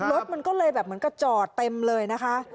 รถมันก็เลยแบบเหมือนกับจอดเต็มเลยนะคะ